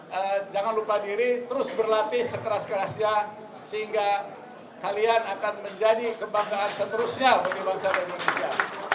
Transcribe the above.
dan jangan lupa diri terus berlatih sekeras kerasnya sehingga kalian akan menjadi kebanggaan seterusnya bagi bangsa indonesia